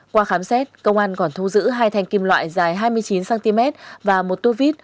qua khám xét công an còn thu giữ hai thanh kim loại dài hai mươi chín cm và một tua vít